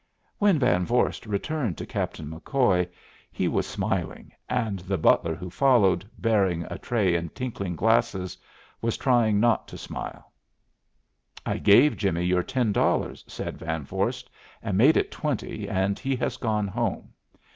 When Van Vorst returned to Captain McCoy, he was smiling, and the butler who followed, bearing a tray and tinkling glasses, was trying not to smile. "I gave Jimmie your ten dollars," said Van Vorst, "and made it twenty, and he has gone home.